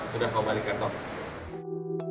sudah kau balikkan toko